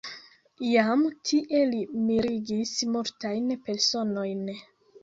Jam tie li mirigis multajn personojn.